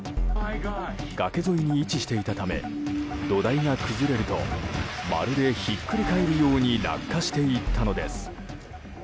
崖沿いに位置していたため土台が崩れるとまるでひっくり返るように落下していったのです。